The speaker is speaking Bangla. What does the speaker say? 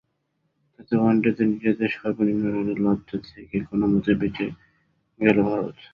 তাতে ওয়ানডেতে নিজেদের সর্বনিম্ন রানের লজ্জা থেকে কোনোমতে বেঁচে গেল ভারত।